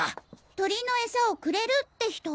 鳥のエサをくれるって人。